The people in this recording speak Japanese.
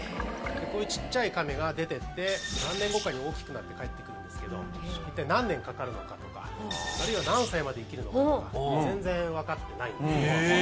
こういう小っちゃいカメが出てって何年後かに大きくなって帰って来るんですけど一体何年かかるのかとかあるいは何歳まで生きるのかとか全然分かってないんです。